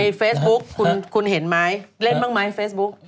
เฟซบุ๊กคุณเห็นไหมเล่นบ้างไหมเฟซบุ๊ก